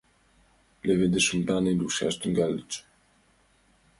Леведыш ӱмбалне лӱшкаш тӱҥальыч.